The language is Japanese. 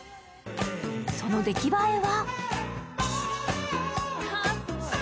その出来栄えは？